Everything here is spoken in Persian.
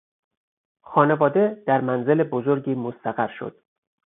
خانواده در منزل بزرگی مستقر شد.